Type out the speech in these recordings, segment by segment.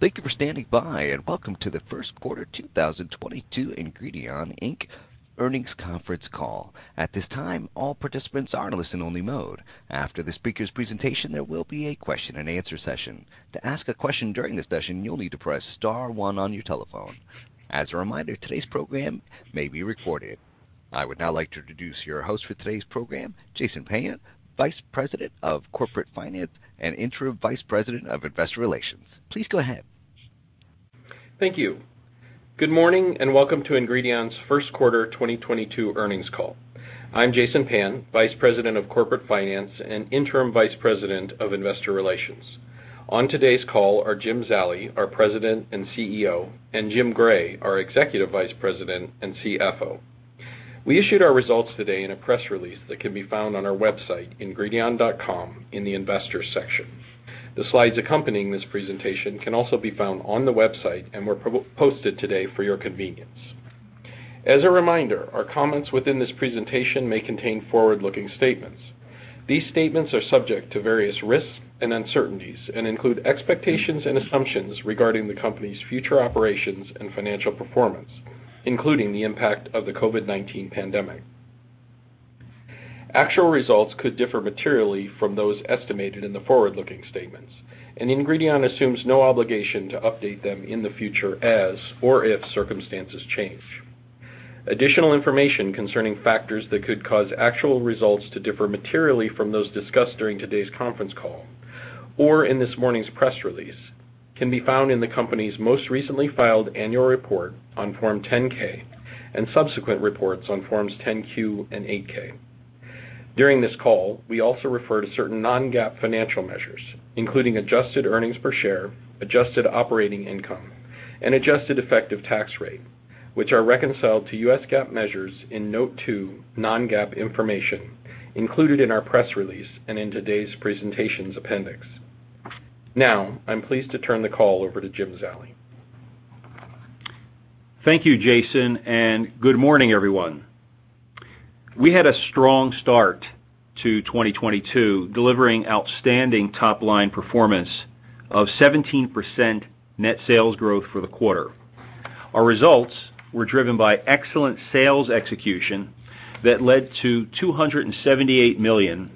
Thank you for standing by, and welcome to the Q1 2022 Ingredion Inc. earnings conference call. At this time, all participants are in listen only mode. After the speaker's presentation, there will be a question and answer session. To ask a question during the session, you'll need to press star one on your telephone. As a reminder, today's program may be recorded. I would now like to introduce your host for today's program, Jason Payant, Vice President of Corporate Finance and Interim Vice President of Investor Relations. Please go ahead. Thank you. Good morning and welcome to Ingredion's Q1 2022 earnings call. I'm Jason Payant, Vice President of Corporate Finance and Interim Vice President of Investor Relations. On today's call are Jim Zallie, our President and CEO, and Jim Gray, our Executive Vice President and CFO. We issued our results today in a press release that can be found on our website, ingredion.com in the Investors section. The slides accompanying this presentation can also be found on the website and were posted today for your convenience. As a reminder, our comments within this presentation may contain forward-looking statements. These statements are subject to various risks and uncertainties and include expectations and assumptions regarding the company's future operations and financial performance, including the impact of the COVID-19 pandemic. Actual results could differ materially from those estimated in the forward-looking statements, and Ingredion assumes no obligation to update them in the future as or if circumstances change. Additional information concerning factors that could cause actual results to differ materially from those discussed during today's conference call or in this morning's press release can be found in the company's most recently filed annual report on Form 10-K and subsequent reports on Forms 10-Q and 8-K. During this call, we also refer to certain non-GAAP financial measures, including adjusted earnings per share, adjusted operating income, and adjusted effective tax rate, which are reconciled to US GAAP measures in Note 2 Non-GAAP Information included in our press release and in today's presentations appendix. Now, I'm pleased to turn the call over to Jim Zallie. Thank you, Jason, and good morning, everyone. We had a strong start to 2022, delivering outstanding top line performance of 17% net sales growth for the quarter. Our results were driven by excellent sales execution that led to $278 million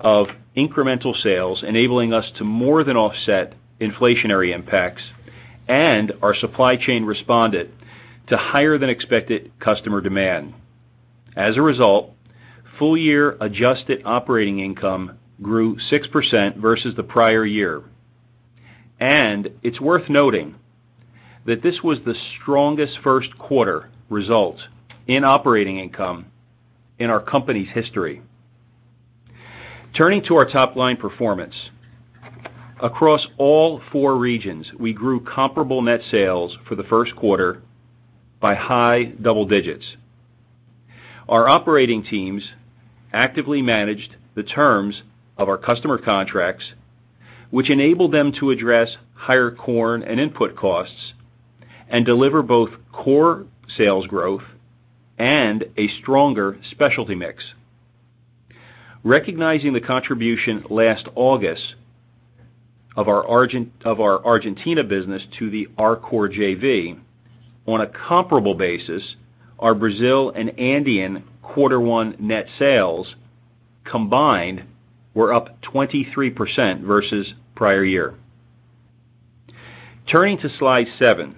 of incremental sales, enabling us to more than offset inflationary impacts, and our supply chain responded to higher than expected customer demand. As a result, full year adjusted operating income grew 6% versus the prior year. It's worth noting that this was the strongest Q1 result in operating income in our company's history. Turning to our top line performance. Across all four regions, we grew comparable net sales for the Q1 by high double digits. Our operating teams actively managed the terms of our customer contracts, which enabled them to address higher corn and input costs and deliver both core sales growth and a stronger specialty mix. Recognizing the contribution last August of our Argentina business to the Arcor JV. On a comparable basis, our Brazil and Andean quarter one net sales combined were up 23% versus prior year. Turning to slide seven,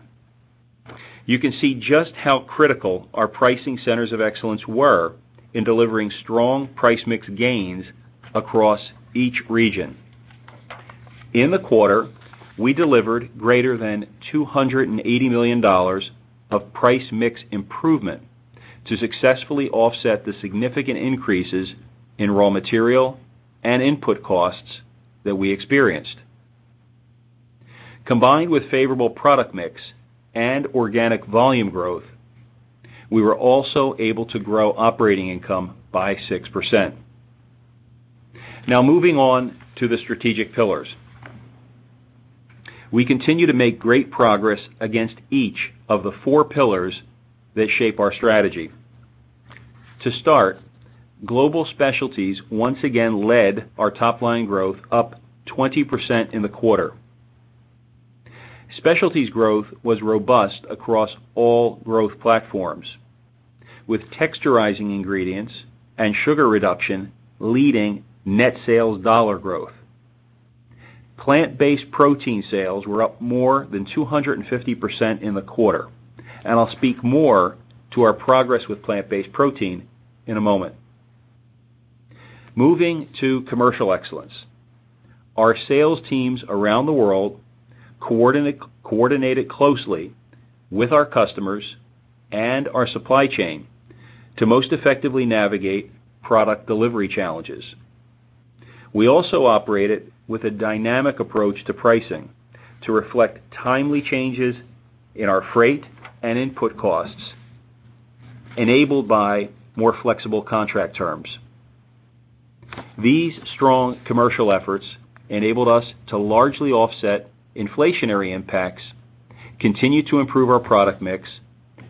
you can see just how critical our Pricing Centers of Excellence were in delivering strong price mix gains across each region. In the quarter, we delivered greater than $280 million of price mix improvement to successfully offset the significant increases in raw material and input costs that we experienced. Combined with favorable product mix and organic volume growth, we were also able to grow operating income by 6%. Now, moving on to the strategic pillars. We continue to make great progress against each of the four pillars that shape our strategy. To start, global specialties once again led our top line growth up 20% in the quarter. Specialties growth was robust across all growth platforms, with texturizing ingredients and sugar reduction leading net sales dollar growth. Plant-based protein sales were up more than 250% in the quarter, and I'll speak more to our progress with plant-based protein in a moment. Moving to commercial excellence. Our sales teams around the world coordinated closely with our customers and our supply chain to most effectively navigate product delivery challenges. We also operated with a dynamic approach to pricing to reflect timely changes in our freight and input costs, enabled by more flexible contract terms. These strong commercial efforts enabled us to largely offset inflationary impacts, continue to improve our product mix,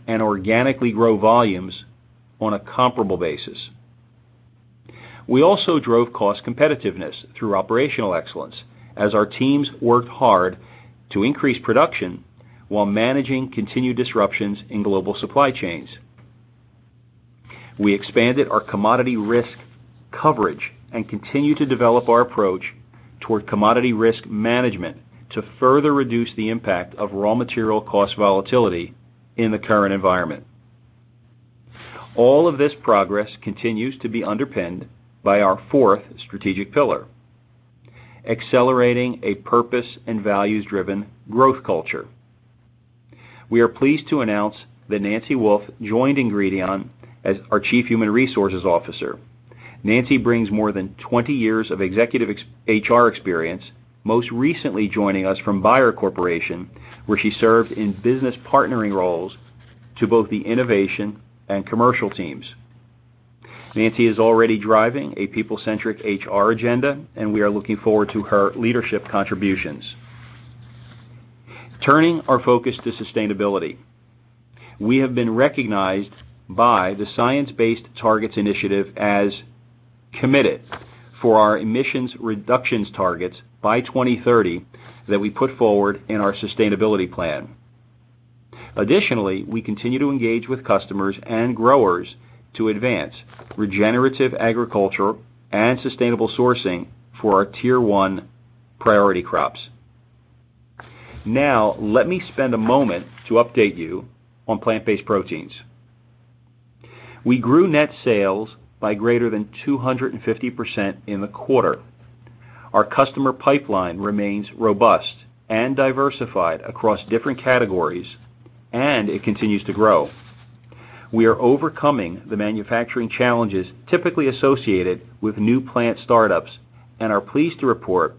and organically grow volumes on a comparable basis. We also drove cost competitiveness through operational excellence as our teams worked hard to increase production while managing continued disruptions in global supply chains. We expanded our commodity risk coverage and continue to develop our approach toward commodity risk management to further reduce the impact of raw material cost volatility in the current environment. All of this progress continues to be underpinned by our fourth strategic pillar, accelerating a purpose and values-driven growth culture. We are pleased to announce that Nancy Wolfe joined Ingredion as our Chief Human Resources Officer. Nancy brings more than 20 years of executive HR experience, most recently joining us from Bayer Corporation, where she served in business partnering roles to both the innovation and commercial teams. Nancy is already driving a people-centric HR agenda, and we are looking forward to her leadership contributions. Turning our focus to sustainability, we have been recognized by the Science Based Targets initiative as committed for our emissions reduction targets by 2030 that we put forward in our sustainability plan. Additionally, we continue to engage with customers and growers to advance regenerative agriculture and sustainable sourcing for our tier one priority crops. Now, let me spend a moment to update you on plant-based proteins. We grew net sales by greater than 250% in the quarter. Our customer pipeline remains robust and diversified across different categories, and it continues to grow. We are overcoming the manufacturing challenges typically associated with new plant startups and are pleased to report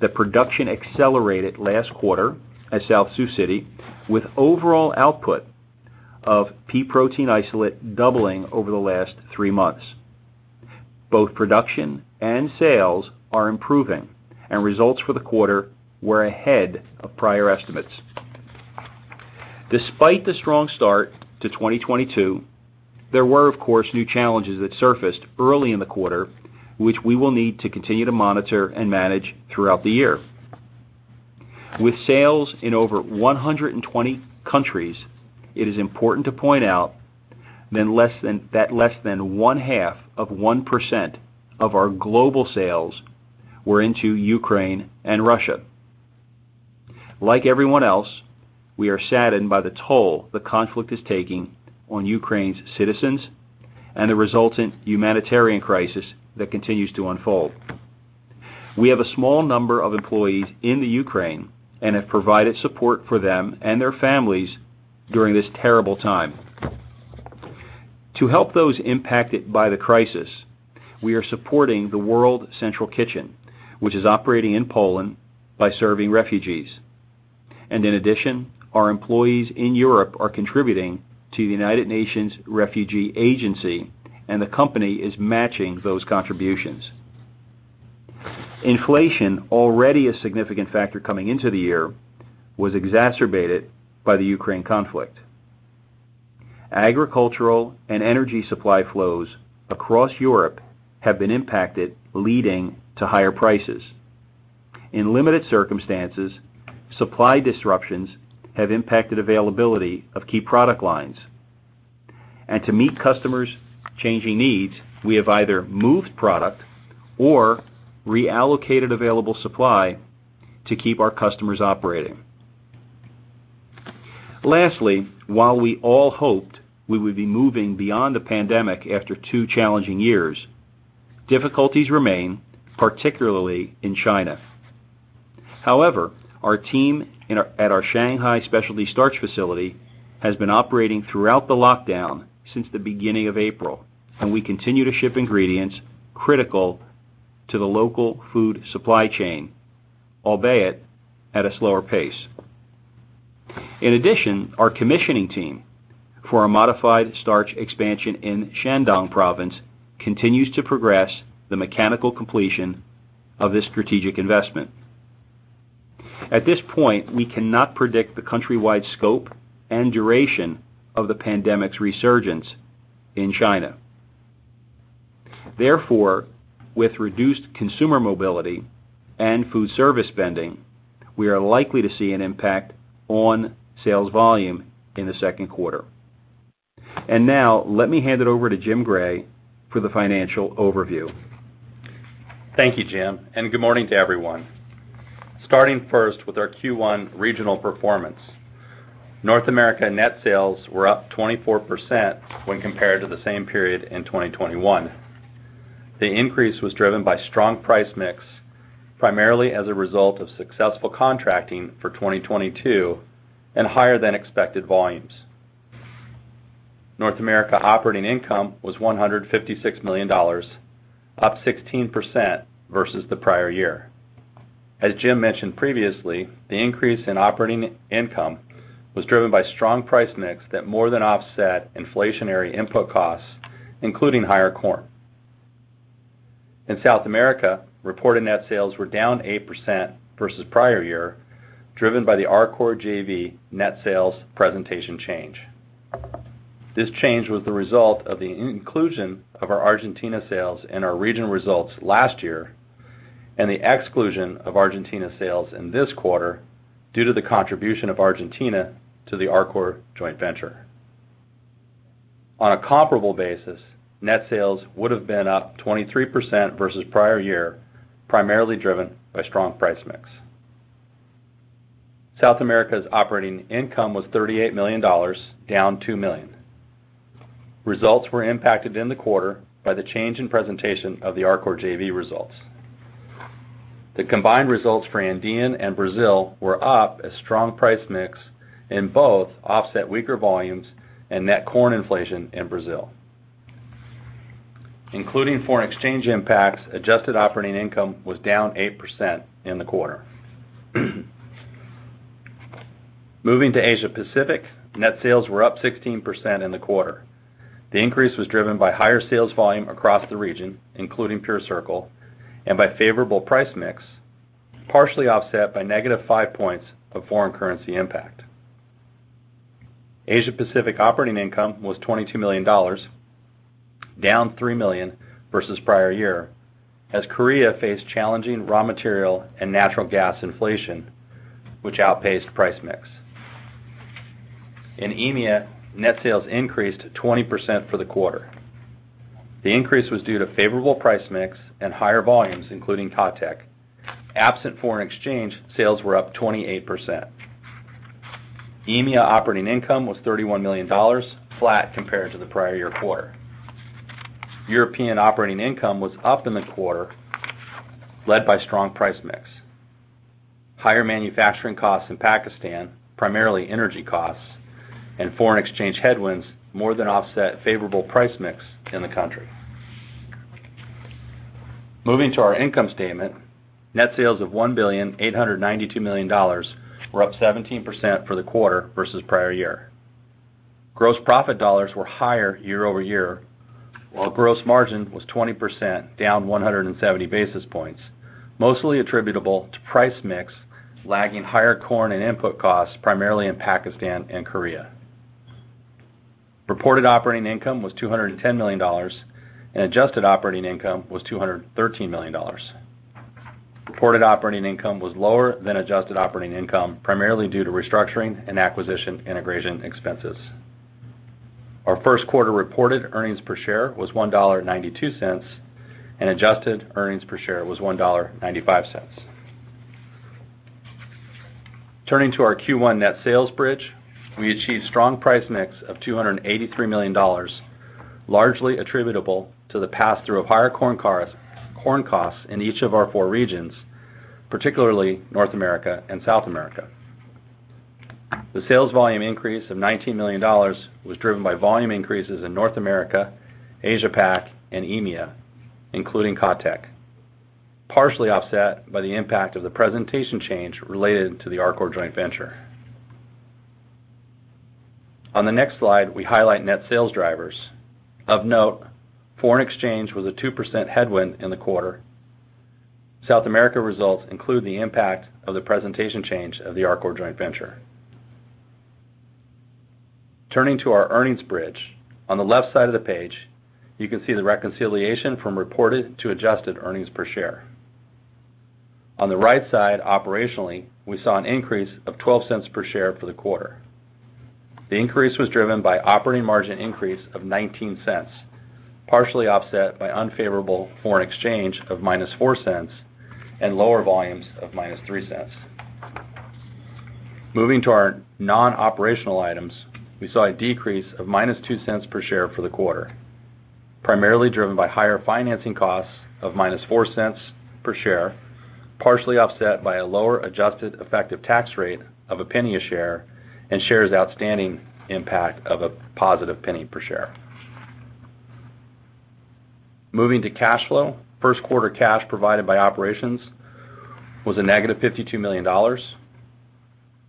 that production accelerated last quarter at South Sioux City, with overall output of pea protein isolate doubling over the last three months. Both production and sales are improving, and results for the quarter were ahead of prior estimates. Despite the strong start to 2022, there were, of course, new challenges that surfaced early in the quarter, which we will need to continue to monitor and manage throughout the year. With sales in over 120 countries, it is important to point out that less than 0.5% of our global sales were into Ukraine and Russia. Like everyone else, we are saddened by the toll the conflict is taking on Ukraine's citizens and the resultant humanitarian crisis that continues to unfold. We have a small number of employees in Ukraine and have provided support for them and their families during this terrible time. To help those impacted by the crisis, we are supporting the World Central Kitchen, which is operating in Poland by serving refugees. In addition, our employees in Europe are contributing to the United Nations Refugee Agency, and the company is matching those contributions. Inflation, already a significant factor coming into the year, was exacerbated by the Ukraine conflict. Agricultural and energy supply flows across Europe have been impacted, leading to higher prices. In limited circumstances, supply disruptions have impacted availability of key product lines. To meet customers' changing needs, we have either moved product or reallocated available supply to keep our customers operating. Lastly, while we all hoped we would be moving beyond the pandemic after 2 challenging years, difficulties remain, particularly in China. However, our team at our Shanghai specialty starch facility has been operating throughout the lockdown since the beginning of April, and we continue to ship ingredients critical to the local food supply chain, albeit at a slower pace. In addition, our commissioning team for our modified starch expansion in Shandong Province continues to progress the mechanical completion of this strategic investment. At this point, we cannot predict the countrywide scope and duration of the pandemic's resurgence in China. Therefore, with reduced consumer mobility and food service spending, we are likely to see an impact on sales volume in the Q2. Now, let me hand it over to Jim Gray for the financial overview. Thank you, Jim, and good morning to everyone. Starting first with our Q1 regional performance. North America net sales were up 24% when compared to the same period in 2021. The increase was driven by strong price mix, primarily as a result of successful contracting for 2022 and higher than expected volumes. North America operating income was $156 million, up 16% versus the prior year. As Jim mentioned previously, the increase in operating income was driven by strong price mix that more than offset inflationary input costs, including higher corn. In South America, reported net sales were down 8% versus prior year, driven by the Arcor JV net sales presentation change. This change was the result of the inclusion of our Argentina sales in our region results last year, and the exclusion of Argentina sales in this quarter due to the contribution of Argentina to the Arcor joint venture. On a comparable basis, net sales would have been up 23% versus prior year, primarily driven by strong price mix. South America's operating income was $38 million, down $2 million. Results were impacted in the quarter by the change in presentation of the Arcor JV results. The combined results for Andean and Brazil were up as strong price mix in both offset weaker volumes and net corn inflation in Brazil. Including foreign exchange impacts, adjusted operating income was down 8% in the quarter. Moving to Asia Pacific, net sales were up 16% in the quarter. The increase was driven by higher sales volume across the region, including PureCircle, and by favorable price mix, partially offset by negative 5 points of foreign currency impact. Asia Pacific operating income was $22 million, down $3 million versus prior year, as Korea faced challenging raw material and natural gas inflation, which outpaced price mix. In EMEA, net sales increased 20% for the quarter. The increase was due to favorable price mix and higher volumes, including KaTech. Absent foreign exchange, sales were up 28%. EMEA operating income was $31 million, flat compared to the prior year quarter. European operating income was up in the quarter, led by strong price mix. Higher manufacturing costs in Pakistan, primarily energy costs and foreign exchange headwinds more than offset favorable price mix in the country. Moving to our income statement. Net sales of $1,892 million were up 17% for the quarter versus prior year. Gross profit dollars were higher year-over-year, while gross margin was 20% down 170 basis points, mostly attributable to price mix lagging higher corn and input costs primarily in Pakistan and Korea. Reported operating income was $210 million, and adjusted operating income was $213 million. Reported operating income was lower than adjusted operating income, primarily due to restructuring and acquisition integration expenses. Our Q1 reported earnings per share was $1.92, and adjusted earnings per share was $1.95. Turning to our Q1 net sales bridge. We achieved strong price mix of $283 million, largely attributable to the pass-through of higher corn costs in each of our four regions, particularly North America and South America. The sales volume increase of $19 million was driven by volume increases in North America, Asia Pac, and EMEA, including KaTech, partially offset by the impact of the presentation change related to the Arcor joint venture. On the next slide, we highlight net sales drivers. Of note, foreign exchange was a 2% headwind in the quarter. South America results include the impact of the presentation change of the Arcor joint venture. Turning to our earnings bridge. On the left side of the page, you can see the reconciliation from reported to adjusted earnings per share. On the right side, operationally, we saw an increase of $0.12 per share for the quarter. The increase was driven by operating margin increase of $0.19, partially offset by unfavorable foreign exchange of -$0.04 and lower volumes of -$0.03. Moving to our non-operating items, we saw a decrease of -$0.02 per share for the quarter, primarily driven by higher financing costs of -$0.04 per share, partially offset by a lower adjusted effective tax rate of $0.01 per share and shares outstanding impact of +$0.01 per share. Moving to cash flow. Q1 cash provided by operations was -$52 million.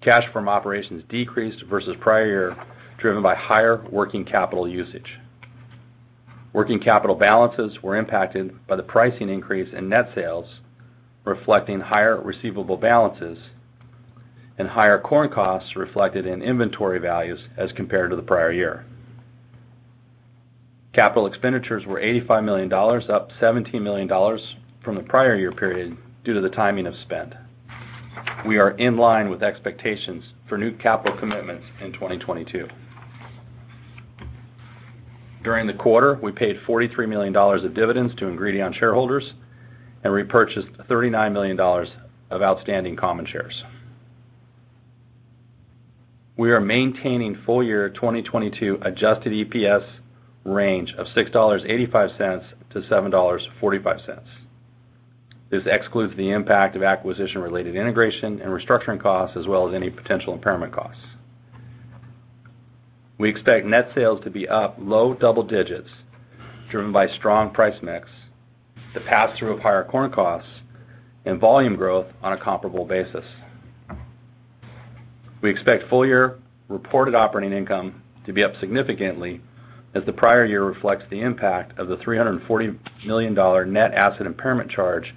Cash from operations decreased versus prior year, driven by higher working capital usage. Working capital balances were impacted by the pricing increase in net sales, reflecting higher receivable balances and higher corn costs reflected in inventory values as compared to the prior year. Capital expenditures were $85 million, up $17 million from the prior year period due to the timing of spend. We are in line with expectations for new capital commitments in 2022. During the quarter, we paid $43 million of dividends to Ingredion shareholders and repurchased $39 million of outstanding common shares. We are maintaining full-year 2022 adjusted EPS range of $6.85-$7.45. This excludes the impact of acquisition-related integration and restructuring costs, as well as any potential impairment costs. We expect net sales to be up low double digits%, driven by strong price mix, the pass-through of higher corn costs and volume growth on a comparable basis. We expect full-year reported operating income to be up significantly. As the prior year reflects the impact of the $340 million net asset impairment charge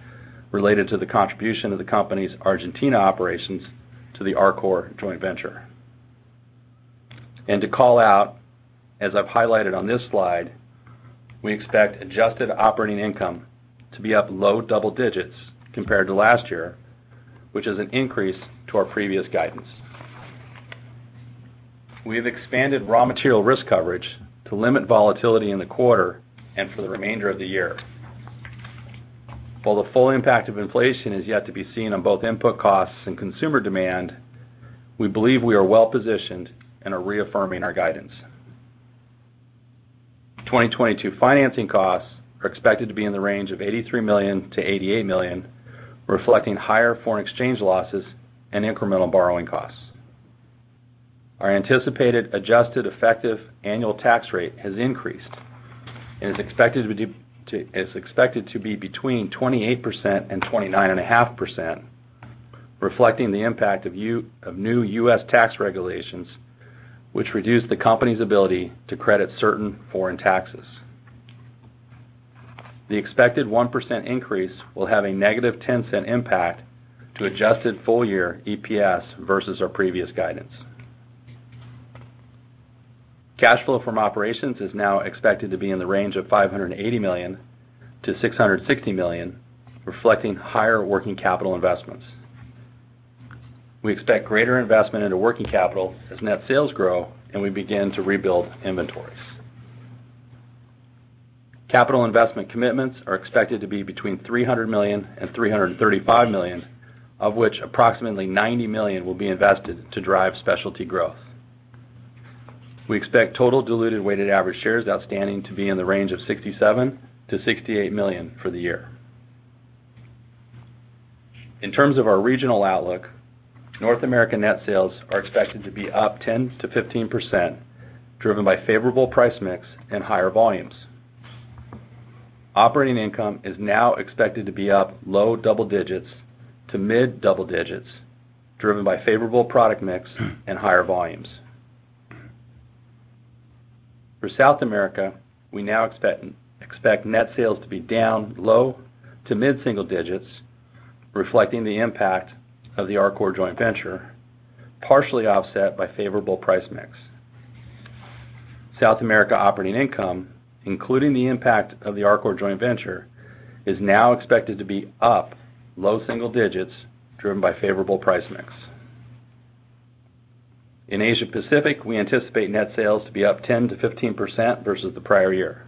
related to the contribution of the company's Argentina operations to the Arcor joint venture. To call out, as I've highlighted on this slide, we expect adjusted operating income to be up low double digits% compared to last year, which is an increase to our previous guidance. We have expanded raw material risk coverage to limit volatility in the quarter and for the remainder of the year. While the full impact of inflation is yet to be seen on both input costs and consumer demand, we believe we are well-positioned and are reaffirming our guidance. 2022 financing costs are expected to be in the range of $83 million-$88 million, reflecting higher foreign exchange losses and incremental borrowing costs. Our anticipated adjusted effective annual tax rate has increased and is expected to be between 28% and 29.5%, reflecting the impact of new U.S. tax regulations, which reduce the company's ability to credit certain foreign taxes. The expected 1% increase will have a negative $0.10 impact to adjusted full year EPS versus our previous guidance. Cash flow from operations is now expected to be in the range of $580 million-$660 million, reflecting higher working capital investments. We expect greater investment into working capital as net sales grow, and we begin to rebuild inventories. Capital investment commitments are expected to be between $300 million and $335 million, of which approximately $90 million will be invested to drive specialty growth. We expect total diluted weighted average shares outstanding to be in the range of 67-68 million for the year. In terms of our regional outlook, North American net sales are expected to be up 10%-15%, driven by favorable price mix and higher volumes. Operating income is now expected to be up low double digits to mid-double digits, driven by favorable product mix and higher volumes. For South America, we now expect net sales to be down low to mid-single digits, reflecting the impact of the Arcor joint venture, partially offset by favorable price mix. South America operating income, including the impact of the Arcor joint venture, is now expected to be up low single digits driven by favorable price mix. In Asia Pacific, we anticipate net sales to be up 10%-15% versus the prior year.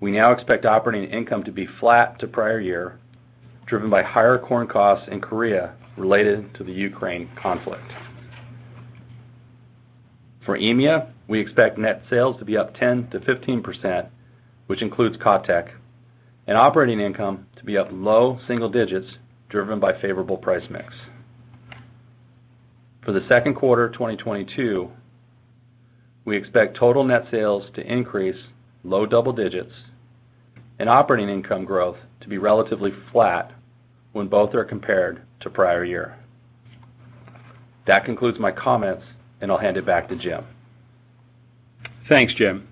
We now expect operating income to be flat to prior year, driven by higher corn costs in Korea related to the Ukraine conflict. For EMEA, we expect net sales to be up 10%-15%, which includes KaTech, and operating income to be up low single digits% driven by favorable price mix. For the second quarter of 2022, we expect total net sales to increase low double digits% and operating income growth to be relatively flat when both are compared to prior year. That concludes my comments, and I'll hand it back to Jim. Thanks, Jim.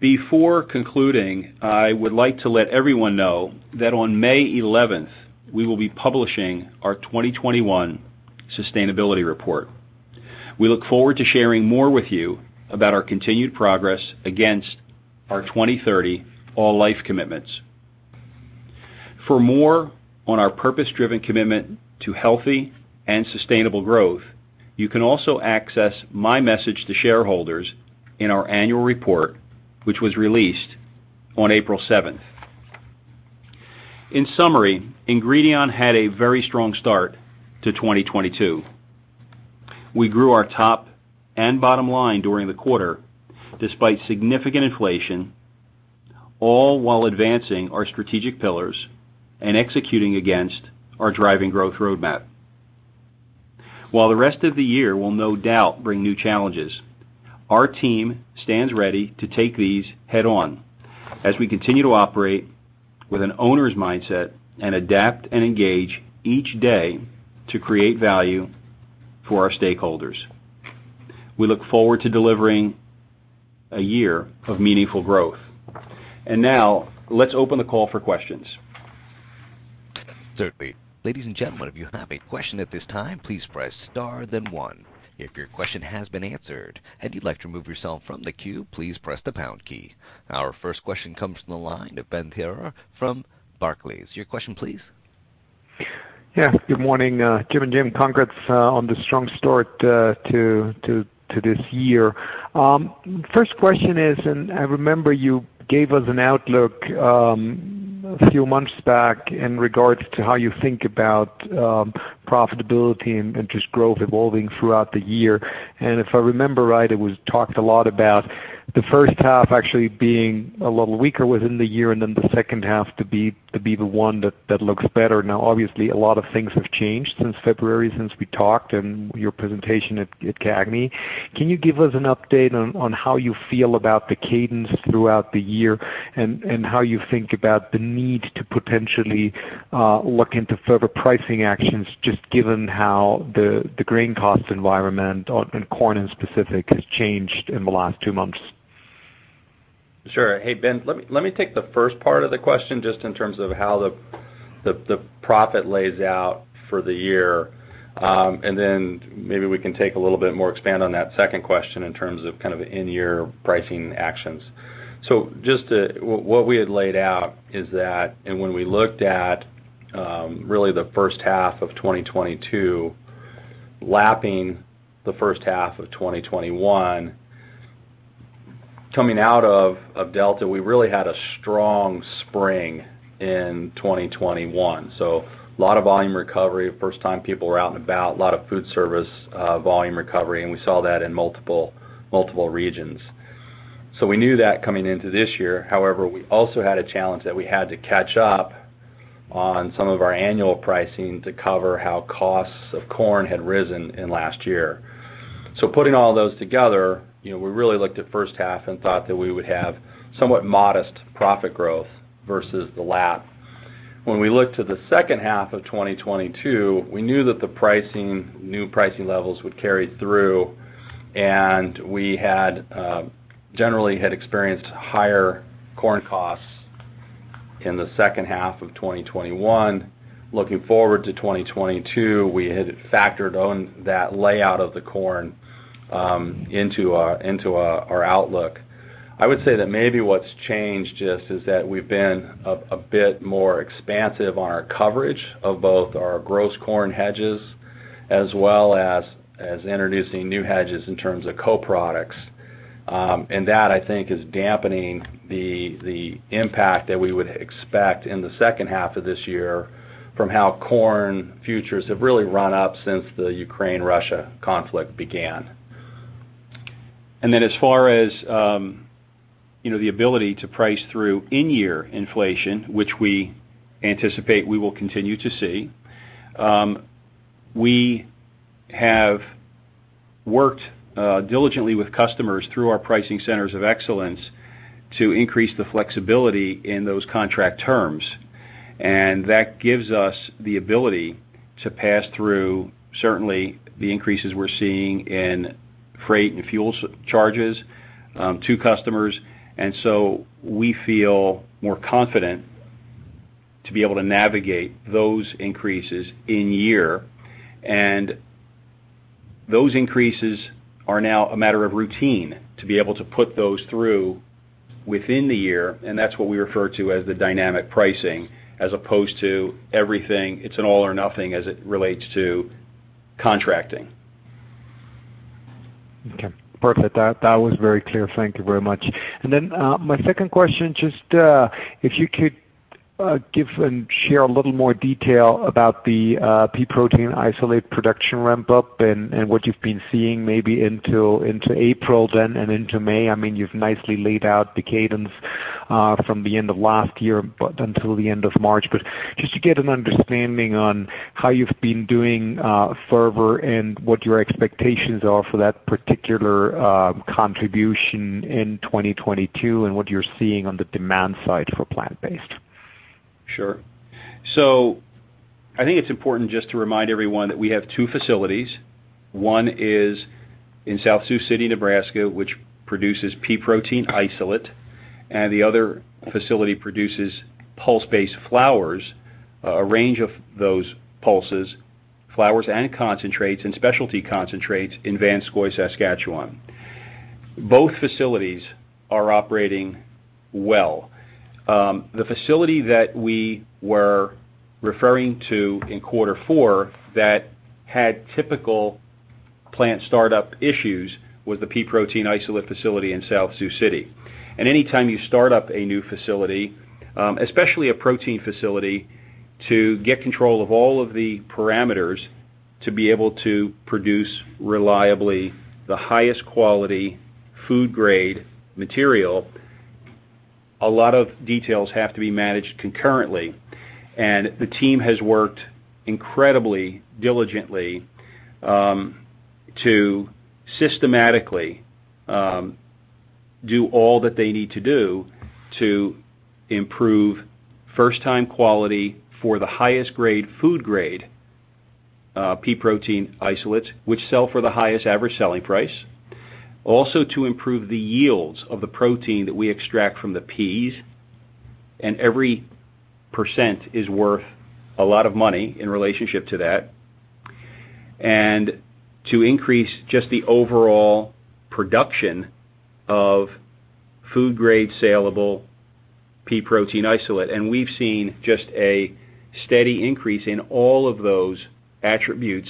Before concluding, I would like to let everyone know that on May 11, we will be publishing our 2021 sustainability report. We look forward to sharing more with you about our continued progress against our 2030 All Life commitments. For more on our purpose-driven commitment to healthy and sustainable growth, you can also access my message to shareholders in our annual report, which was released on April 7. In summary, Ingredion had a very strong start to 2022. We grew our top and bottom line during the quarter, despite significant inflation, all while advancing our strategic pillars and executing against our driving growth roadmap. While the rest of the year will no doubt bring new challenges, our team stands ready to take these head on as we continue to operate with an owner's mindset and adapt and engage each day to create value for our stakeholders. We look forward to delivering a year of meaningful growth. Now let's open the call for questions. Certainly. Ladies and gentlemen, if you have a question at this time, please press star then one. If your question has been answered and you'd like to remove yourself from the queue, please press the pound key. Our first question comes from the line of Ben Theurer from Barclays. Your question, please. Yeah, good morning, Jim and Jim. Congrats on the strong start to this year. First question is, I remember you gave us an outlook a few months back in regards to how you think about profitability and interest growth evolving throughout the year. If I remember right, it was talked a lot about the first half actually being a little weaker within the year, and then the second half to be the one that looks better. Now, obviously, a lot of things have changed since February, since we talked and your presentation at CAGNY. Can you give us an update on how you feel about the cadence throughout the year and how you think about the need to potentially look into further pricing actions just given how the grain cost environment and corn in specific has changed in the last two months? Sure. Hey, Ben, let me take the first part of the question just in terms of how the profit plays out for the year. Then maybe we can take a little bit more to expand on that second question in terms of kind of in your pricing actions. What we had laid out is that when we looked at really the first half of 2022 lapping the first half of 2021, coming out of Delta, we really had a strong spring in 2021. A lot of volume recovery. First time people were out and about, a lot of food service volume recovery, and we saw that in multiple regions. We knew that coming into this year. However, we also had a challenge that we had to catch up on some of our annual pricing to cover the costs of corn had risen in last year. Putting all those together, you know, we really looked at first half and thought that we would have somewhat modest profit growth versus the lap. When we looked to the second half of 2022, we knew that the pricing, new pricing levels would carry through. We had generally experienced higher corn costs in the second half of 2021. Looking forward to 2022, we had factored in that outlay of the corn into our outlook. I would say that maybe what's changed just is that we've been a bit more expansive on our coverage of both our gross corn hedges as well as introducing new hedges in terms of co-products. That I think is dampening the impact that we would expect in the second half of this year from how corn futures have really run up since the Ukraine-Russia conflict began. As far as you know, the ability to price through in-year inflation, which we anticipate we will continue to see. We have worked diligently with customers through our Pricing Centers of Excellence to increase the flexibility in those contract terms. That gives us the ability to pass through certainly the increases we're seeing in freight and fuel charges to customers. We feel more confident to be able to navigate those increases in year. Those increases are now a matter of routine to be able to put those through within the year, and that's what we refer to as the dynamic pricing, as opposed to everything. It's an all or nothing as it relates to contracting. Okay, perfect. That was very clear. Thank you very much. My second question, just if you could give and share a little more detail about the pea protein isolate production ramp up and what you've been seeing maybe into April then and into May. I mean, you've nicely laid out the cadence from the end of last year until the end of March. Just to get an understanding on how you've been doing further and what your expectations are for that particular contribution in 2022 and what you're seeing on the demand side for plant-based. Sure. I think it's important just to remind everyone that we have two facilities. One is in South Sioux City, Nebraska, which produces pea protein isolate, and the other facility produces pulse-based flours, a range of those pulses, flours and concentrates and specialty concentrates, in Vanscoy, Saskatchewan. Both facilities are operating well. The facility that we were referring to in quarter four that had typical plant start up issues was the pea protein isolate facility in South Sioux City. Anytime you start up a new facility, especially a protein facility, to get control of all of the parameters to be able to produce reliably the highest quality food grade material, a lot of details have to be managed concurrently. The team has worked incredibly diligently to systematically do all that they need to do to improve first time quality for the highest grade food grade pea protein isolates, which sell for the highest average selling price. Also to improve the yields of the protein that we extract from the peas. Every percent is worth a lot of money in relationship to that. To increase just the overall production of food grade saleable pea protein isolate. We've seen just a steady increase in all of those attributes,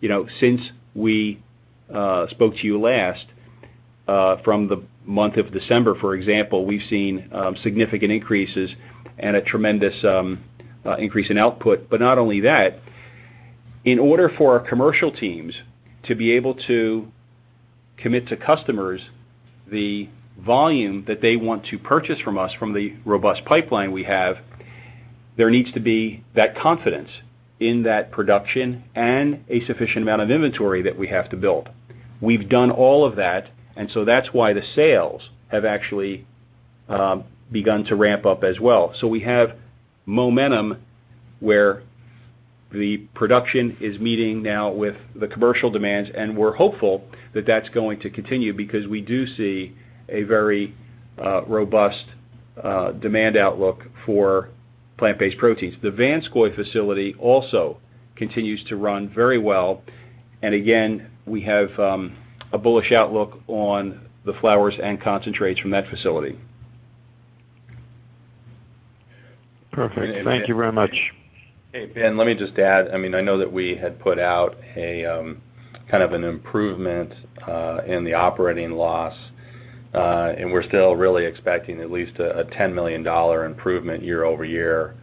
you know, since we spoke to you last from the month of December, for example, we've seen significant increases and a tremendous increase in output. Not only that, in order for our commercial teams to be able to commit to customers the volume that they want to purchase from us from the robust pipeline we have, there needs to be that confidence in that production and a sufficient amount of inventory that we have to build. We've done all of that, and so that's why the sales have actually begun to ramp up as well. We have momentum where the production is meeting now with the commercial demands, and we're hopeful that that's going to continue because we do see a very robust demand outlook for plant-based proteins. The Vanscoy facility also continues to run very well. Again, we have a bullish outlook on the flours and concentrates from that facility. Perfect. Thank you very much. Hey, Ben, let me just add. I mean, I know that we had put out a kind of an improvement in the operating loss, and we're still really expecting at least a $10 million improvement year-over-year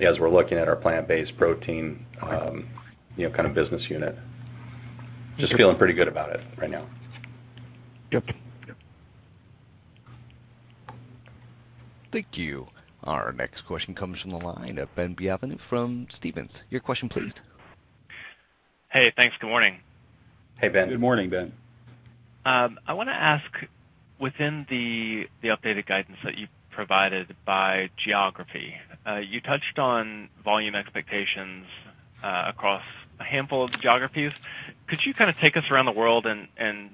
as we're looking at our plant-based protein, you know, kind of business unit. Just feeling pretty good about it right now. Yep. Yep. Thank you. Our next question comes from the line of Ben Bienvenu from Stephens. Your question please. Hey, thanks. Good morning. Hey, Ben. Good morning, Ben. I wanna ask within the updated guidance that you provided by geography, you touched on volume expectations across a handful of geographies. Could you kind of take us around the world and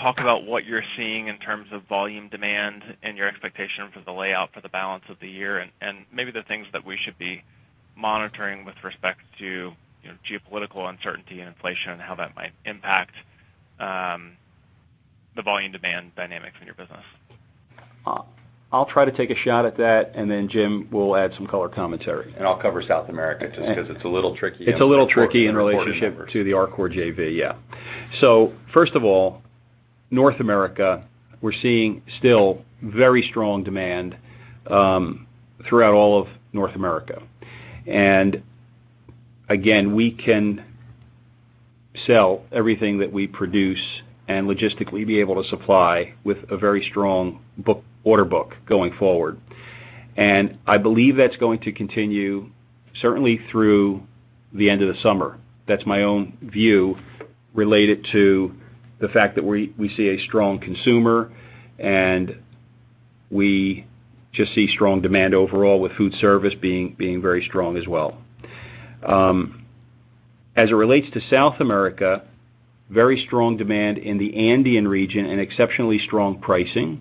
talk about what you're seeing in terms of volume demand and your expectation for the layout for the balance of the year and maybe the things that we should be monitoring with respect to, you know, geopolitical uncertainty and inflation and how that might impact the volume demand dynamics in your business? I'll try to take a shot at that, and then Jim will add some color commentary. I'll cover South America just 'cause it's a little tricky. It's a little tricky in relationship to the Arcor JV. Yeah. First of all, North America, we're seeing still very strong demand throughout all of North America. Again, we can sell everything that we produce and logistically be able to supply with a very strong order book going forward. I believe that's going to continue certainly through the end of the summer. That's my own view related to the fact that we see a strong consumer, and we just see strong demand overall with food service being very strong as well. As it relates to South America, very strong demand in the Andean region and exceptionally strong pricing.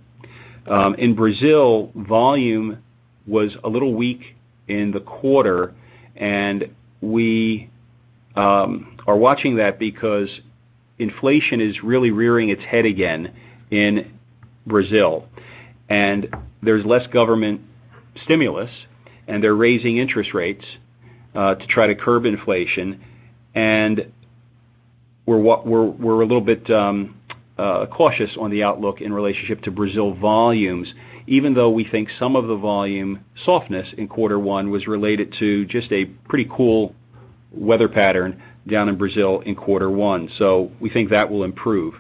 In Brazil, volume was a little weak in the quarter, and we are watching that because inflation is really rearing its head again in Brazil. There's less government stimulus, and they're raising interest rates to try to curb inflation. We're a little bit cautious on the outlook in relationship to Brazil volumes, even though we think some of the volume softness in quarter one was related to just a pretty cool weather pattern down in Brazil in quarter one. We think that will improve.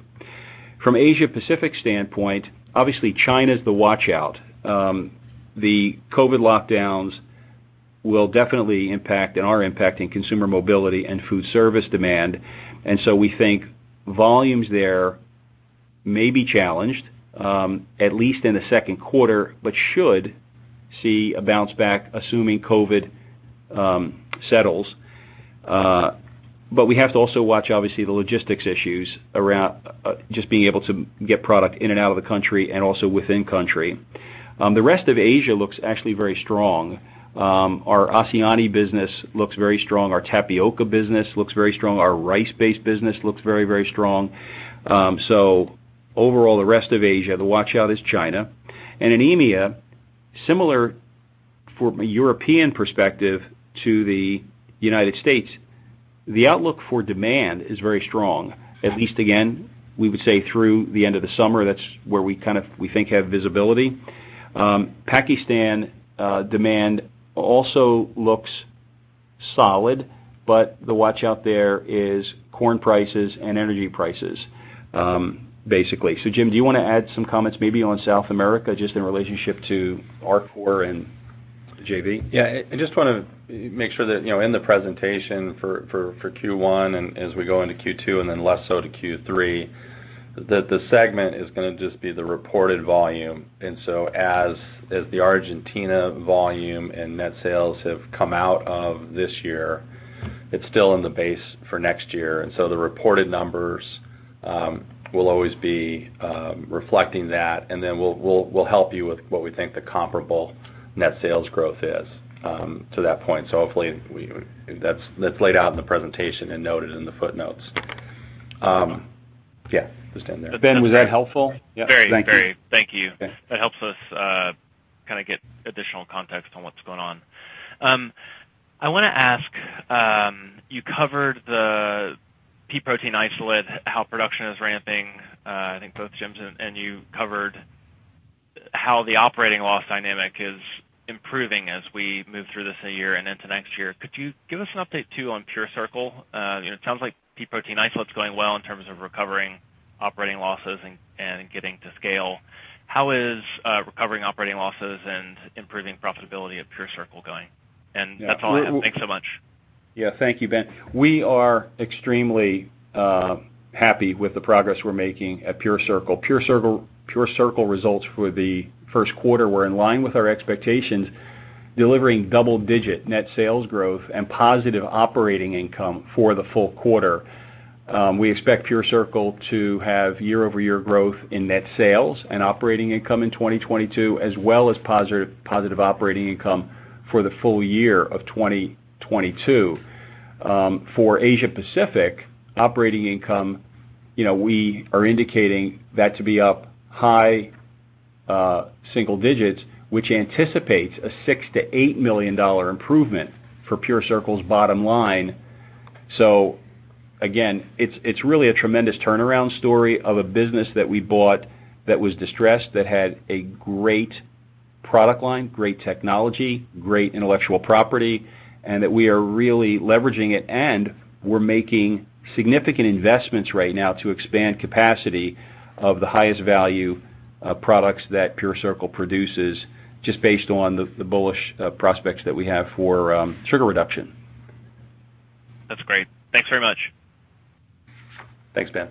From Asia Pacific standpoint, obviously, China's the watch-out. The COVID lockdowns will definitely impact and are impacting consumer mobility and food service demand. We think volumes there may be challenged at least in the Q1, but should see a bounce back assuming COVID settles. We have to also watch obviously the logistics issues around just being able to get product in and out of the country and also within country. The rest of Asia looks actually very strong. Our ASEAN business looks very strong. Our tapioca business looks very strong. Our rice-based business looks very, very strong. Overall, the rest of Asia, the watch-out is China. In EMEA, similar for a European perspective to the United States, the outlook for demand is very strong, at least again, we would say through the end of the summer. That's where we kind of, we think, have visibility. Pakistan demand also looks solid, but the watch-out there is corn prices and energy prices, basically. Jim, do you wanna add some comments maybe on South America just in relationship to Arcor and the JV? Yeah. I just wanna make sure that, you know, in the presentation for Q1 and as we go into Q2 and then less so to Q3, that the segment is gonna just be the reported volume. As the Argentina volume and net sales have come out of this year, it's still in the base for next year. The reported numbers will always be reflecting that, and then we'll help you with what we think the comparable net sales growth is to that point. Hopefully that's laid out in the presentation and noted in the footnotes. Yeah, just end there. Ben, was that helpful? Very. Yeah. Thank you. Very. Thank you. Yeah. That helps us, kind of get additional context on what's going on. I wanna ask, you covered the pea protein isolate, how production is ramping, I think both Jims, and you covered how the operating loss dynamic is improving as we move through this year and into next year. Could you give us an update, too, on PureCircle? You know, it sounds like pea protein isolate's going well in terms of recovering operating losses and getting to scale. How is recovering operating losses and improving profitability at PureCircle going? And that's all I have. Thanks so much. Yeah. Thank you, Ben. We are extremely happy with the progress we're making at PureCircle. PureCircle results for the Q1 were in line with our expectations. Delivering double-digit net sales growth and positive operating income for the full quarter. We expect PureCircle to have year-over-year growth in net sales and operating income in 2022, as well as positive operating income for the full year of 2022. For Asia Pacific operating income, we are indicating that to be up high single digits, which anticipates a $6 million-$8 million improvement for PureCircle's bottom line. Again, it's really a tremendous turnaround story of a business that we bought that was distressed, that had a great product line, great technology, great intellectual property, and that we are really leveraging it, and we're making significant investments right now to expand capacity of the highest value products that PureCircle produces just based on the bullish prospects that we have for sugar reduction. That's great. Thanks very much. Thanks, Ben.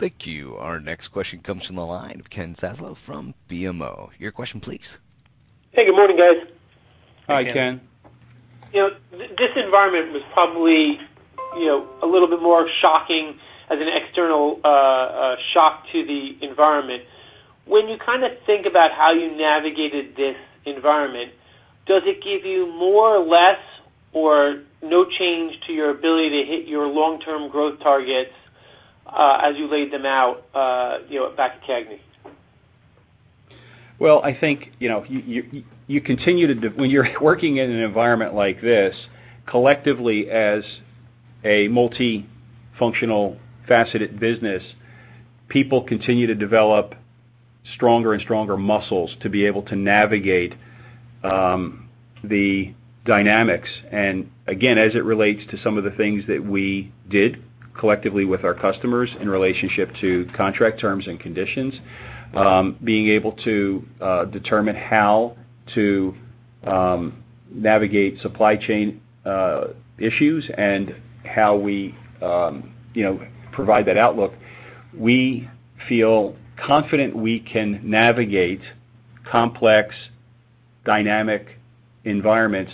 Thank you. Our next question comes from the line of Ken Zaslow from BMO. Your question please. Hey, good morning, guys. Hi, Ken. Hi, Ken. You know, this environment was probably, you know, a little bit more shocking as an external shock to the environment. When you kinda think about how you navigated this environment, does it give you more or less or no change to your ability to hit your long-term growth targets, as you laid them out, you know, back at CAGNY? Well, I think, you know, when you're working in an environment like this, collectively, as a multifunctional faceted business, people continue to develop stronger and stronger muscles to be able to navigate the dynamics. Again, as it relates to some of the things that we did collectively with our customers in relationship to contract terms and conditions, being able to determine how to navigate supply chain issues and how we, you know, provide that outlook, we feel confident we can navigate complex dynamic environments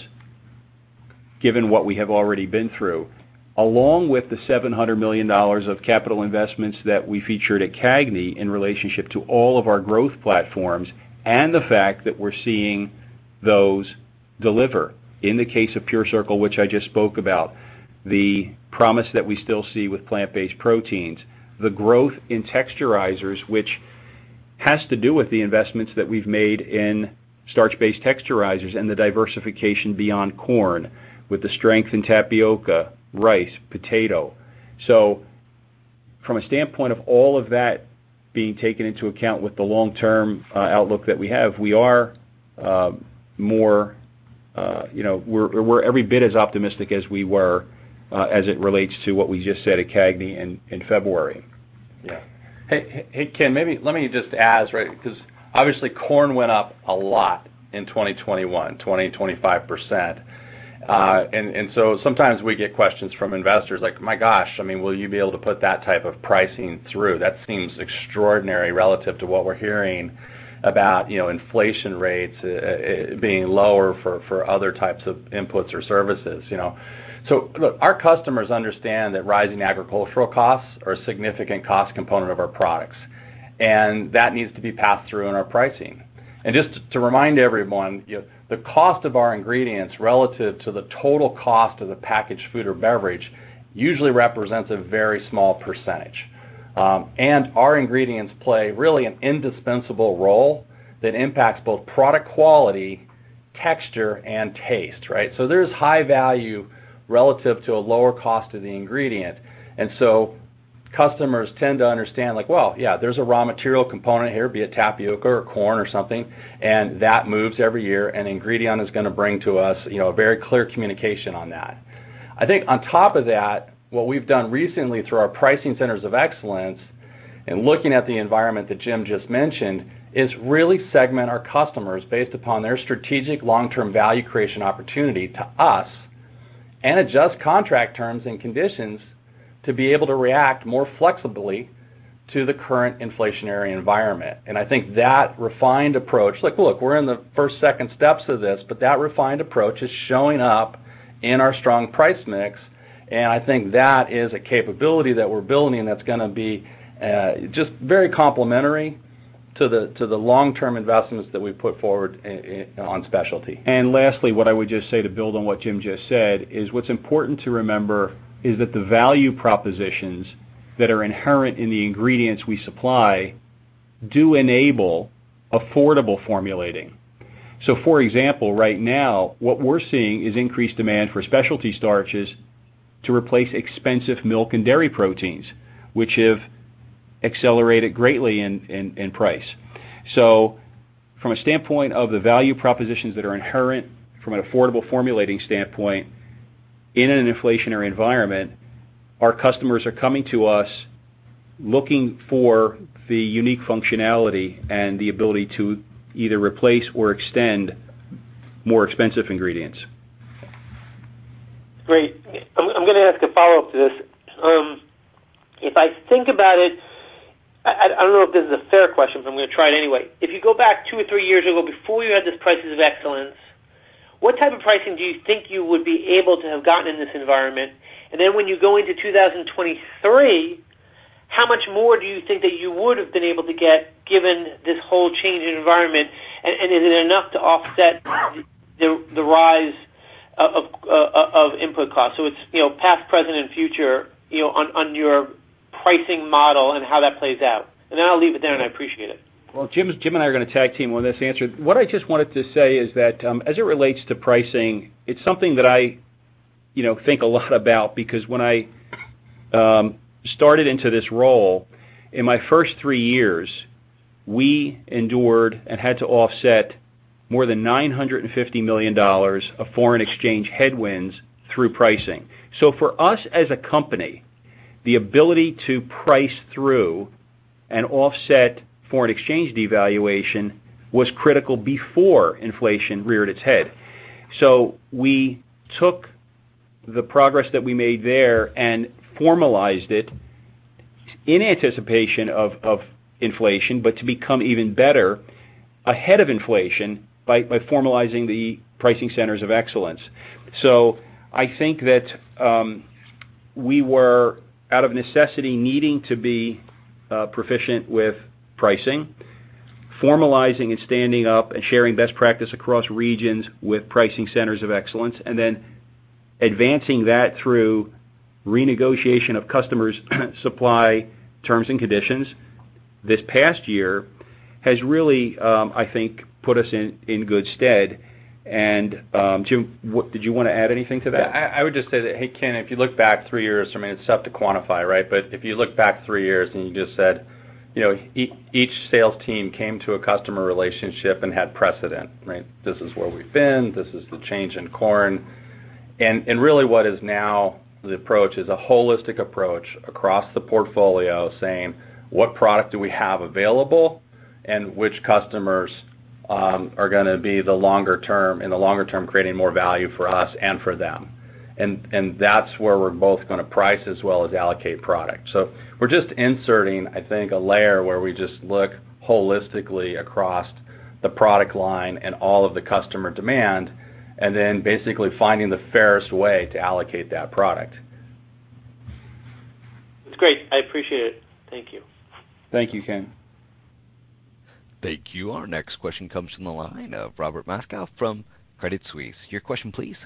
given what we have already been through, along with the $700 million of capital investments that we featured at CAGNY in relationship to all of our growth platforms, and the fact that we're seeing those deliver. In the case of PureCircle, which I just spoke about, the promise that we still see with plant-based proteins, the growth in texturizers, which has to do with the investments that we've made in starch-based texturizers and the diversification beyond corn with the strength in tapioca, rice, potato. From a standpoint of all of that being taken into account with the long-term outlook that we have, we are more, you know, we're every bit as optimistic as we were as it relates to what we just said at CAGNY in February. Hey, hey, Ken, maybe let me just add, right, because obviously corn went up a lot in 2021, 20%-25%. And so sometimes we get questions from investors like, "My gosh, I mean, will you be able to put that type of pricing through? That seems extraordinary relative to what we're hearing about, you know, inflation rates being lower for other types of inputs or services, you know." Look, our customers understand that rising agricultural costs are a significant cost component of our products, and that needs to be passed through in our pricing. Just to remind everyone, you know, the cost of our ingredients relative to the total cost of the packaged food or beverage usually represents a very small percentage. Our ingredients play really an indispensable role that impacts both product quality, texture, and taste, right? There's high value relative to a lower cost of the ingredient. Customers tend to understand, like, well, yeah, there's a raw material component here, be it tapioca or corn or something, and that moves every year, and Ingredion is gonna bring to us, you know, a very clear communication on that. I think on top of that, what we've done recently through our Pricing Centers of Excellence and looking at the environment that Jim just mentioned, is really segment our customers based upon their strategic long-term value creation opportunity to us and adjust contract terms and conditions to be able to react more flexibly to the current inflationary environment. I think that refined approach. Like, look, we're in the first, second steps of this, but that refined approach is showing up in our strong price mix, and I think that is a capability that we're building that's gonna be just very complementary to the long-term investments that we've put forward on specialty. Lastly, what I would just say to build on what Jim just said is what's important to remember is that the value propositions that are inherent in the ingredients we supply do enable affordable formulating. For example, right now what we're seeing is increased demand for specialty starches to replace expensive milk and dairy proteins, which have accelerated greatly in price. From a standpoint of the value propositions that are inherent from an affordable formulating standpoint, in an inflationary environment, our customers are coming to us looking for the unique functionality and the ability to either replace or extend more expensive ingredients. Great. I'm gonna ask a follow-up to this. If I think about it, I don't know if this is a fair question, but I'm gonna try it anyway. If you go back two or three years ago before you had this Pricing Centers of Excellence, what type of pricing do you think you would be able to have gotten in this environment? Then when you go into 2023, how much more do you think that you would've been able to get given this whole change in environment, and is it enough to offset the rise of input costs? It's past, present, and future, you know, on your pricing model and how that plays out. Then I'll leave it there, and I appreciate it. Well, Jim and I are gonna tag team on this answer. What I just wanted to say is that, as it relates to pricing, it's something that I, you know, think a lot about because when I started into this role, in my first three years we endured and had to offset more than $950 million of foreign exchange headwinds through pricing. For us as a company, the ability to price through and offset foreign exchange devaluation was critical before inflation reared its head. We took the progress that we made there and formalized it in anticipation of inflation, but to become even better ahead of inflation by formalizing the Pricing Centers of Excellence. I think that we were out of necessity needing to be proficient with pricing, formalizing and standing up and sharing best practice across regions with Pricing Centers of Excellence, and then advancing that through renegotiation of customers' supply terms and conditions this past year has really, I think, put us in good stead. Jim, did you want to add anything to that? Yeah. I would just say that, hey, Ken, if you look back three years, I mean, it's tough to quantify, right? If you look back three years and you just said, you know, each sales team came to a customer relationship and had precedent, right? This is where we've been. This is the change in corn. Really what is now the approach is a holistic approach across the portfolio saying, "What product do we have available, and which customers are gonna be the longer term, in the longer term creating more value for us and for them?" That's where we're both gonna price as well as allocate product. We're just inserting, I think, a layer where we just look holistically across the product line and all of the customer demand, and then basically finding the fairest way to allocate that product. That's great. I appreciate it. Thank you. Thank you, Ken. Thank you. Our next question comes from the line of Robert Moskow from Credit Suisse. Your question please.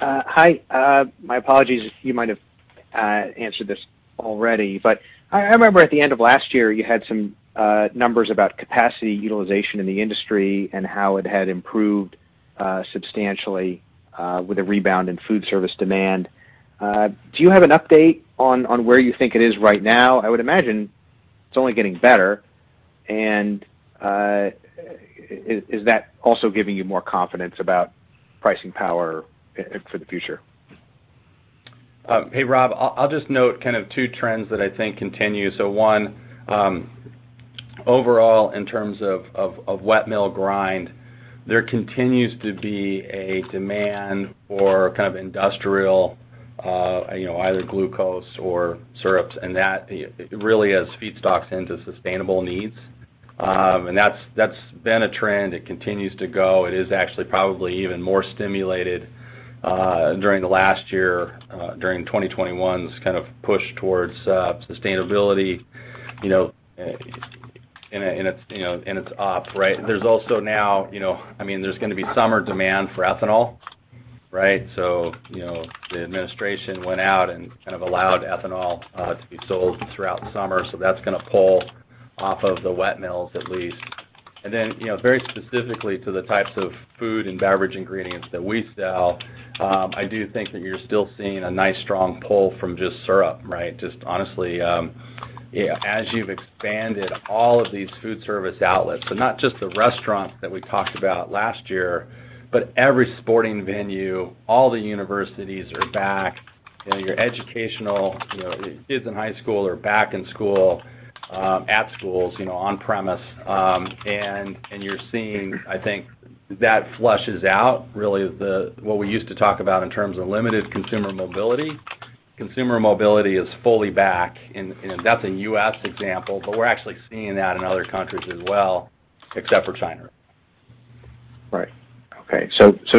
Hi. My apologies if you might have answered this already. I remember at the end of last year you had some numbers about capacity utilization in the industry and how it had improved substantially with a rebound in food service demand. Do you have an update on where you think it is right now? I would imagine it's only getting better. Is that also giving you more confidence about pricing power for the future? Hey, Rob. I'll just note kind of two trends that I think continue. One, overall in terms of wet mill grind, there continues to be a demand for kind of industrial, you know, either glucose or syrups, and that really is feedstocks into sustainable needs. That's been a trend. It continues to go. It is actually probably even more stimulated during the last year, during 2021's kind of push towards sustainability, you know, in its own right. There's also now, you know, I mean, there's gonna be summer demand for ethanol, right? So, you know, the administration went out and kind of allowed ethanol to be sold throughout summer, so that's gonna pull off of the wet mills at least. You know, very specifically to the types of food and beverage ingredients that we sell, I do think that you're still seeing a nice, strong pull from just syrup, right? Just honestly, yeah, as you've expanded all of these food service outlets, so not just the restaurants that we talked about last year, but every sporting venue, all the universities are back, you know, your educational, you know, kids in high school are back in school, at schools, you know, on premise. You're seeing, I think, that flushes out really what we used to talk about in terms of limited consumer mobility. Consumer mobility is fully back. That's a U.S. example, but we're actually seeing that in other countries as well, except for China. Right. Okay.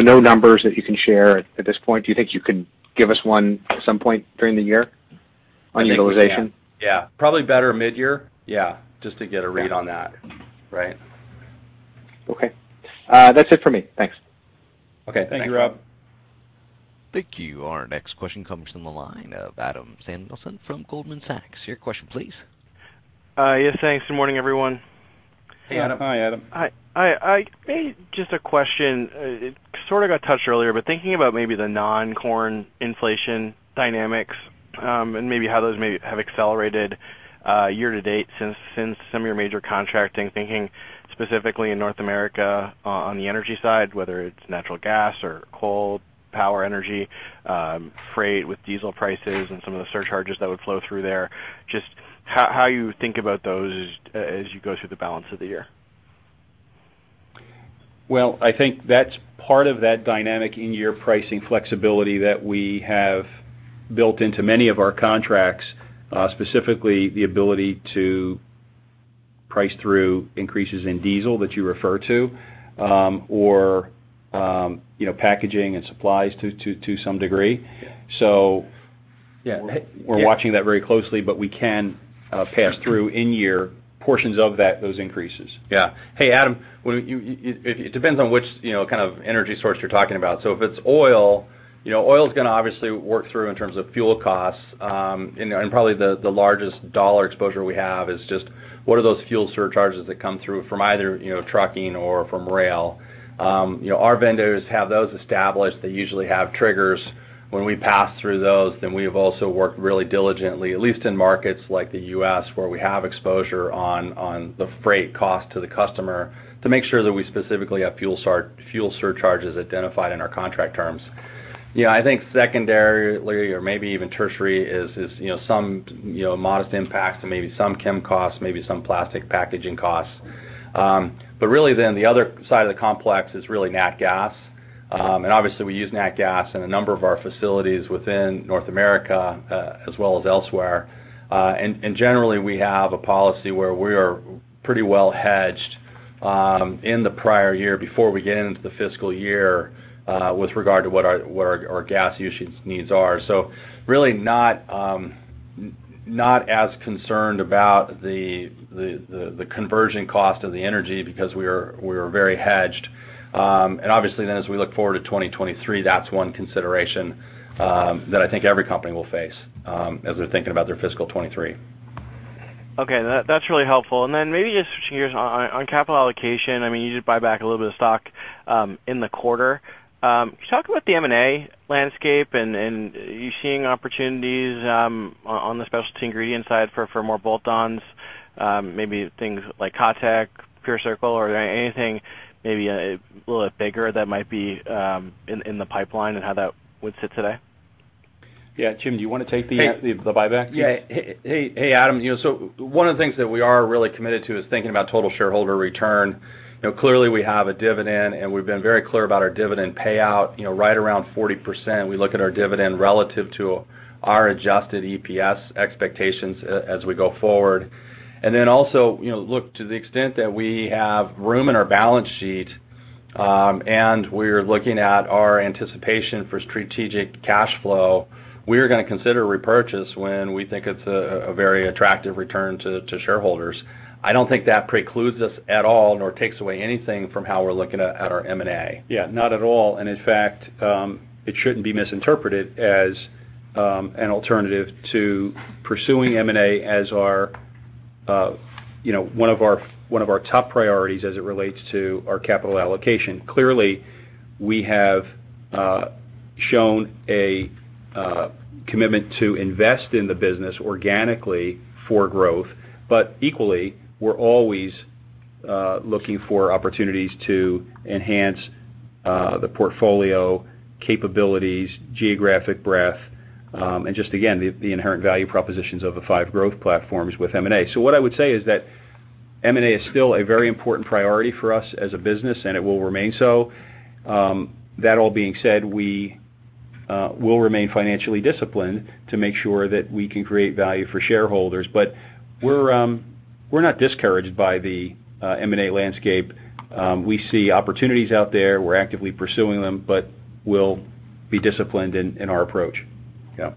No numbers that you can share at this point? Do you think you can give us one at some point during the year on utilization? I think we can. Yeah. Probably better midyear, yeah, just to get a read on that. Yeah. Right? Okay. That's it for me. Thanks. Okay. Thank you, Robert Moskow. Thank you. Our next question comes from the line of Adam Samuelson from Goldman Sachs. Your question please. Yes, thanks. Good morning, everyone. Hey, Adam. Hi, Adam. Hi. I maybe just a question. It sort of got touched earlier, but thinking about maybe the non-corn inflation dynamics, and maybe how those maybe have accelerated, year to date since some of your major contracting, thinking specifically in North America on the energy side, whether it's natural gas or coal, power, energy, freight with diesel prices and some of the surcharges that would flow through there, just how you think about those as you go through the balance of the year? Well, I think that's part of that dynamic in your pricing flexibility that we have built into many of our contracts, specifically the ability to price through increases in diesel that you refer to, or, you know, packaging and supplies to some degree. Yeah. We're watching that very closely, but we can pass through in year portions of that, those increases. Yeah. Hey, Adam, it depends on which, you know, kind of energy source you're talking about. If it's oil, you know, oil's gonna obviously work through in terms of fuel costs, and probably the largest dollar exposure we have is just what are those fuel surcharges that come through from either, you know, trucking or from rail. You know, our vendors have those established. They usually have triggers when we pass through those. We have also worked really diligently, at least in markets like the U.S. where we have exposure on the freight cost to the customer to make sure that we specifically have fuel surcharges identified in our contract terms. You know, I think secondarily or maybe even tertiary is some modest impact to maybe some chem costs, maybe some plastic packaging costs. Really then the other side of the complex is really nat gas. Obviously, we use nat gas in a number of our facilities within North America, as well as elsewhere. Generally, we have a policy where we are pretty well hedged in the prior year before we get into the fiscal year with regard to what our gas usage needs are. Really not as concerned about the conversion cost of the energy because we are very hedged. Obviously, as we look forward to 2023, that's one consideration that I think every company will face as they're thinking about their fiscal 2023. Okay. That's really helpful. Then maybe just switching gears. On capital allocation, I mean, you did buy back a little bit of stock in the quarter. Could you talk about the M&A landscape and are you seeing opportunities on the specialty ingredient side for more bolt-ons, maybe things like KaTech, PureCircle, or anything maybe a little bigger that might be in the pipeline and how that would sit today? Yeah. Jim, do you wanna take the buyback piece? Yeah. Hey, Adam, you know, one of the things that we are really committed to is thinking about total shareholder return. You know, clearly, we have a dividend, and we've been very clear about our dividend payout, you know, right around 40%. We look at our dividend relative to our adjusted EPS expectations as we go forward. Also, you know, look, to the extent that we have room in our balance sheet, and we're looking at our anticipation for strategic cash flow, we're gonna consider repurchase when we think it's a very attractive return to shareholders. I don't think that precludes us at all nor takes away anything from how we're looking at our M&A. Yeah, not at all. In fact, it shouldn't be misinterpreted as an alternative to pursuing M&A as our, you know, one of our top priorities as it relates to our capital allocation. Clearly, we have shown a commitment to invest in the business organically for growth. Equally, we're always looking for opportunities to enhance the portfolio capabilities, geographic breadth, and just again, the inherent value propositions of the five growth platforms with M&A. What I would say is that M&A is still a very important priority for us as a business, and it will remain so. That all being said, we will remain financially disciplined to make sure that we can create value for shareholders. We're not discouraged by the M&A landscape. We see opportunities out there. We're actively pursuing them, but we'll be disciplined in our approach. Yeah. All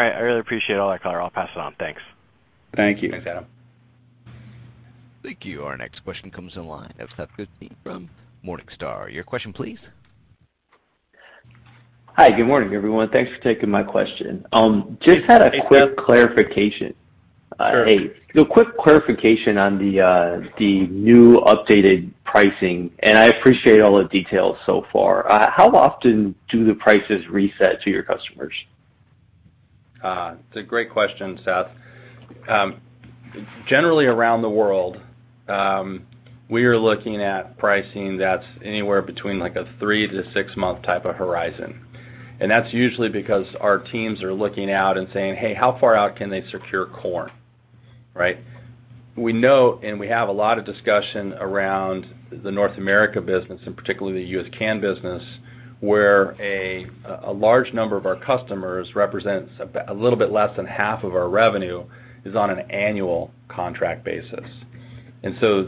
right. I really appreciate all that color. I'll pass it on. Thanks. Thank you. Thanks, Adam. Thank you. Our next question comes from the line of Seth Goldstein from Morningstar. Your question please. Hi. Good morning, everyone. Thanks for taking my question. Just had a quick clarification. Sure. A quick clarification on the new updated pricing, and I appreciate all the details so far. How often do the prices reset to your customers? It's a great question, Seth. Generally around the world, we are looking at pricing that's anywhere between like a 3-6-month type of horizon. That's usually because our teams are looking out and saying, "Hey, how far out can they secure corn?" We know, and we have a lot of discussion around the North America business, and particularly the US canned business, where a large number of our customers represents a little bit less than half of our revenue is on an annual contract basis.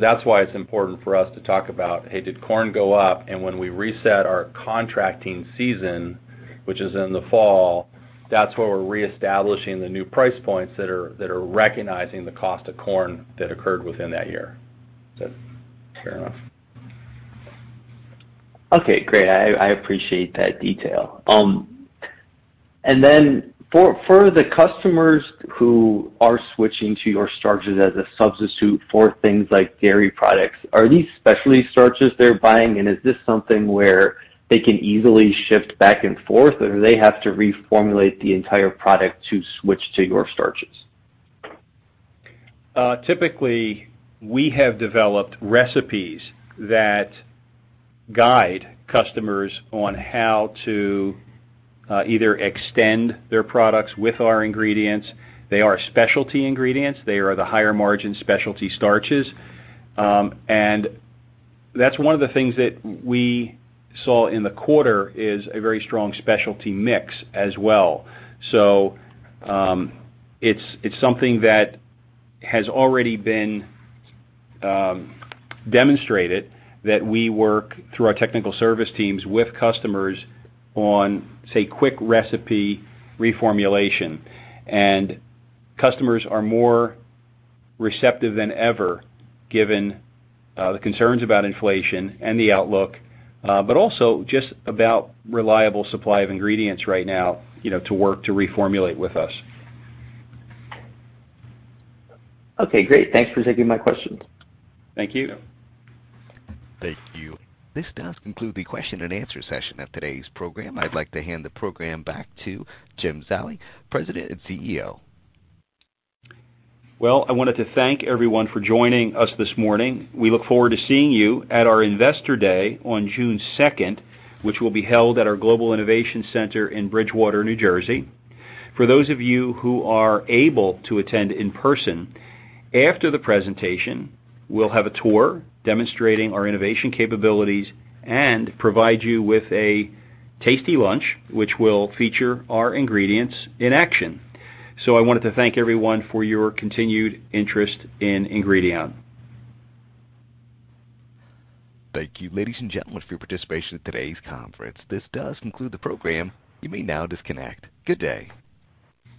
That's why it's important for us to talk about, hey, did corn go up? When we reset our contracting season, which is in the fall, that's where we're reestablishing the new price points that are recognizing the cost of corn that occurred within that year. Seth, fair enough. Okay, great. I appreciate that detail. For the customers who are switching to your starches as a substitute for things like dairy products, are these specialty starches they're buying, and is this something where they can easily shift back and forth, or do they have to reformulate the entire product to switch to your starches? Typically, we have developed recipes that guide customers on how to either extend their products with our ingredients. They are specialty ingredients. They are the higher margin specialty starches. That's one of the things that we saw in the quarter is a very strong specialty mix as well. It's something that has already been demonstrated that we work through our technical service teams with customers on, say, quick recipe reformulation. Customers are more receptive than ever given the concerns about inflation and the outlook, but also just about reliable supply of ingredients right now to work to reformulate with us. Okay, great. Thanks for taking my questions. Thank you. Yeah. Thank you. This does conclude the question and answer session of today's program. I'd like to hand the program back to Jim Zallie, President and CEO. Well, I wanted to thank everyone for joining us this morning. We look forward to seeing you at our Investor Day on June two, which will be held at our Global Innovation Center in Bridgewater, New Jersey. For those of you who are able to attend in person, after the presentation, we'll have a tour demonstrating our innovation capabilities and provide you with a tasty lunch, which will feature our ingredients in action. I wanted to thank everyone for your continued interest in Ingredion. Thank you, ladies and gentlemen, for your participation in today's conference. This does conclude the program. You may now disconnect. Good day.